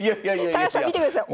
高橋さん見てください！